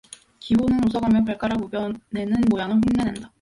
기호는 웃어 가며 발가락 우벼 내는 모양을 흉내낸다.